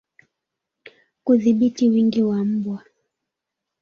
Kudhibiti wingi wa mbwa